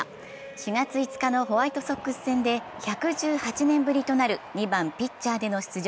４月５日のホワイトソックス戦で１１８年ぶりとなる２番・ピッチャーでの出場。